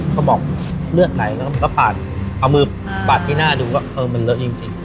เขาบอกเลือดไหลแล้วก็ปาดเอามือปาดที่หน้าดูก็เออมันเลอะจริง